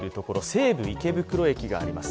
西武池袋駅があります